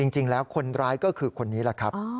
จริงแล้วคนร้ายก็คือคนนี้แหละครับ